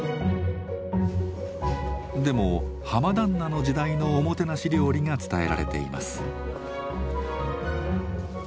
でも浜旦那の時代のおもてなし料理が伝えられています。